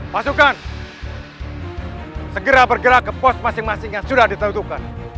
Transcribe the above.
pasukan segera bergerak ke pos masing masing yang sudah ditentukan